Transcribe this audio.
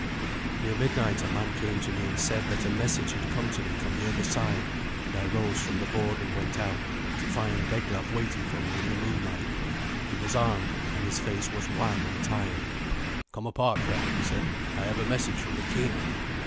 Near midnight a man came to me and said that a message had come to me from the other side, and I rose from the board and went out, to find Eglaf waiting for me in the moonlight. He was armed, and his face was wan and tired. "Come apart, friend," he said; "I have a message from the king."